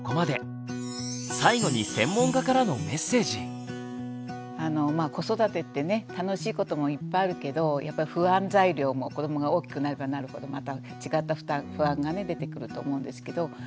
最後に子育てってね楽しいこともいっぱいあるけどやっぱり不安材料も子どもが大きくなればなるほどまた違った不安が出てくると思うんですけど。